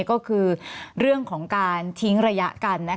ก็คือเรื่องของการทิ้งระยะกัน